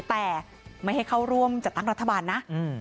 แต่ไม่ให้เข้าร่วมจัดตั้งรัฐบาลนะ